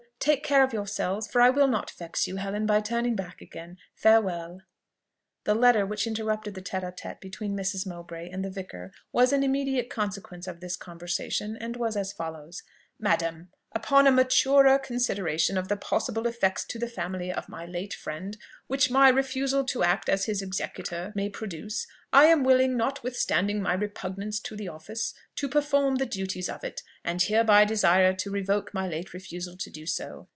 Take care of yourselves; for I will not vex you, Helen, by turning back again. Farewell!" The letter which interrupted the tête à tête between Mrs. Mowbray and the vicar was an immediate consequence of this conversation, and was as follows: "Madam, "Upon a maturer consideration of the possible effects to the family of my late friend which my refusal to act as his executor may produce, I am willing, notwithstanding my repugnance to the office, to perform the duties of it, and hereby desire to revoke my late refusal to do so.